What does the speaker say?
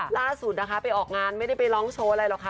ล่าสุดนะคะไปออกงานไม่ได้ไปร้องโชว์อะไรหรอกค่ะ